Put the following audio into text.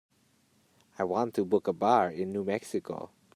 I want to book a bar in New Mexico.